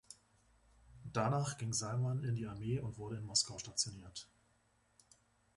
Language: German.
Danach ging Salman in die Armee und wurde in Moskau stationiert.